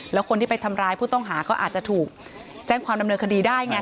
แล้วคนที่ไปทำร้ายผู้ต้องหาก็อาจจะถูกแจ้งความดำเนินคดีได้ไง